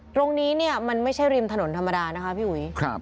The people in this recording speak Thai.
ตรงนี้เนี่ยมันไม่ใช่ริมถนนธรรมดานะคะพี่อุ๋ย